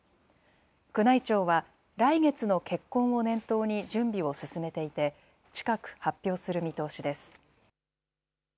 宮内庁は、来月の結婚を念頭に準備を進めていて、近く、発表する見通しです。